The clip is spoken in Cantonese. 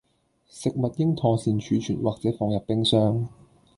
食物應妥善儲存或者放入冰箱